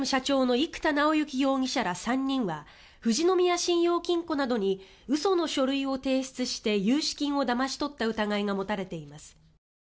生田尚之容疑者ら３人は富士宮信用金庫などに嘘の書類を提出して融資金をだまし取った疑いが持たれています。